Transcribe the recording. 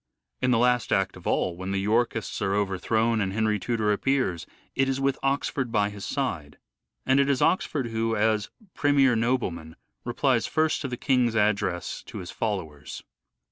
In the last act of all, when the Yorkists are overthrown and Henry Tudor appears, it is with Oxford by his side ; and it is Oxford who, as premier nobleman, replies first to the king's address to his followers.